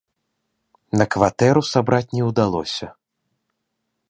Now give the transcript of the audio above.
На кватэру сабраць не ўдалося.